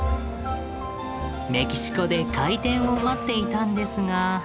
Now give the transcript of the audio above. メキシコで開店を待っていたんですが。